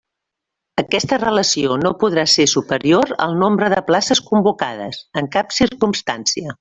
Aquesta relació no podrà ser superior al nombre de places convocades, en cap circumstància.